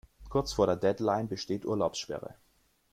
Kurz vor der Deadline besteht Urlaubssperre.